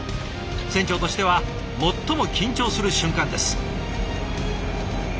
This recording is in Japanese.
船長としては最も緊張する瞬間です。